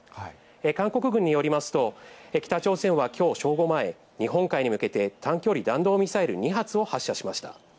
韓国軍によりますと、北朝鮮はきょう正午前、日本海に向けて短距離弾道ミサイル２発を発射しました。